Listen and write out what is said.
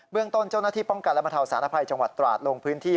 เรื่องต้นเจ้าหน้าที่ป้องกันและบรรเทาสารภัยจังหวัดตราดลงพื้นที่